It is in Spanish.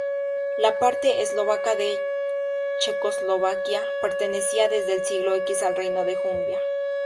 La parte eslovaca de Checoslovaquia pertenecía desde el siglo X al Reino de Hungría.